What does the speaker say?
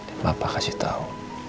eh papa kasih tahu